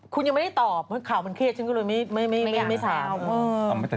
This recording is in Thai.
คุณยังไม่ได้ตอบเวรข่าวเหมือนเครดไม่สาว